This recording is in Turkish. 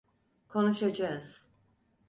Konuşacağız.